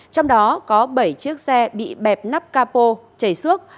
trong đó có bảy chiếc xe bị bẹp nắp capo chảy xước